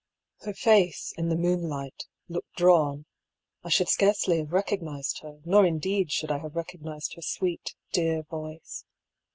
Her face, in the moonlight, looked drawn — I should scarcely have recognised her, nor indeed should I have recognised her sweet, dear voice.